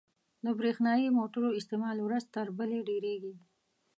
• د برېښنايي موټرو استعمال ورځ تر بلې ډېرېږي.